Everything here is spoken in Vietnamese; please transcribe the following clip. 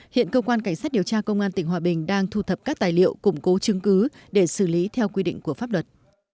hiện cơ quan cảnh sát điều tra công an tỉnh hòa bình đang thu thập các tài liệu củng cố chứng cứ để xử lý theo quy định của pháp luật